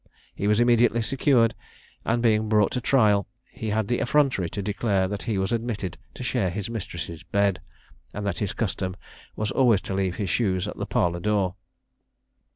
He was immediately secured, and being brought to trial, he had the effrontery to declare that he was admitted to share his mistress's bed, and that his custom was always to leave his shoes at the parlour door.